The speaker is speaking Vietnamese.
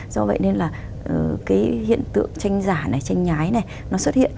do vậy nên là cái hiện tượng tranh giả này tranh nhái này nó xuất hiện